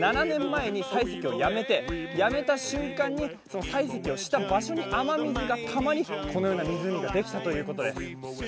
７年前に採石をやめて、やめた瞬間にその採石をした場所に雨水がたまりこのような湖ができたということです。